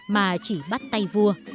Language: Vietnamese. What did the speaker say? mà chỉ bắt tay vua